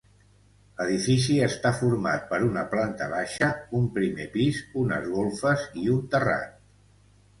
L'edifici està format per una planta baixa, un primer pis, unes golfes i un terrat.